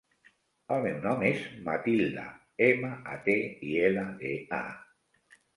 El meu nom és Matilda: ema, a, te, i, ela, de, a.